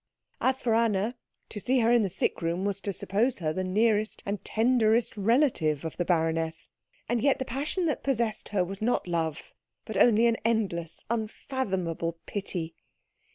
As for Anna, to see her in the sick room was to suppose her the nearest and tenderest relative of the baroness; and yet the passion that possessed her was not love, but only an endless, unfathomable pity.